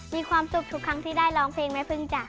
มีความสุขทุกครั้งที่ได้ร้องเพลงแม่พึ่งจ้ะ